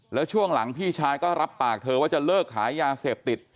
แล้วช่วงหลังพี่ชายก็รับปากเธอว่าจะเลิกขายยาเสพติด